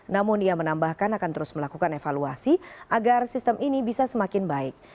namun ia menambahkan akan terus melakukan evaluasi agar sistem ini bisa semakin baik